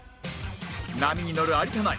波にのる有田ナイン